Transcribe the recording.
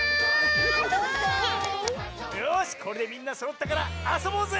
よしこれでみんなそろったからあそぼうぜ！